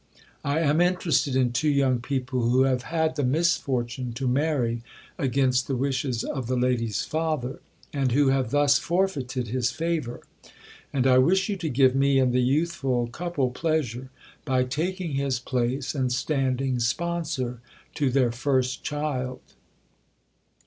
I am interested in two young people who have had the misfortune to marry against the wishes of the lady's father, and who have thus forfeited his favour. And I wish you to give me and the youthful couple pleasure by taking his place and standing sponsor to their first child."